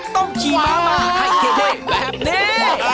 ต้องขี่ม้ามาให้เก่งแบบนี้